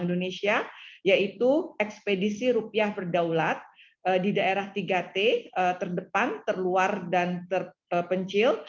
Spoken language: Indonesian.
indonesia yaitu ekspedisi rupiah berdaulat di daerah tiga t terdepan terluar dan terpencil